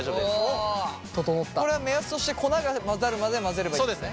これは目安として粉が混ざるまで混ぜればいいんですね。